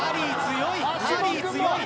ハリー強い！